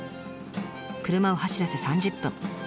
車を走らせ３０分。